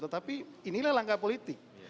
tetapi inilah langkah politik